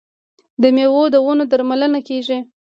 د میوو د ونو درملنه کیږي.